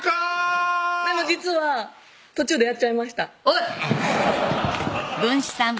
でも実は途中でやっちゃいましたおい！